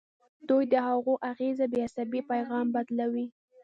دوی د هغوی اغیزه په عصبي پیغام بدلوي.